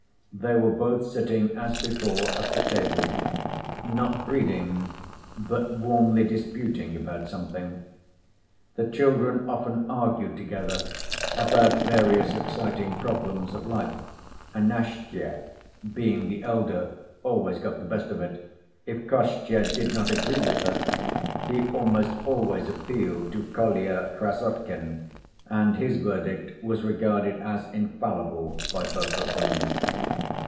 They were both sitting as before at the table, not reading but warmly disputing about something. The children often argued together about various exciting problems of life, and Nastya, being the elder, always got the best of it. If Kostya did not agree with her, he almost always appealed to Kolya Krassotkin, and his verdict was regarded as infallible by both of them.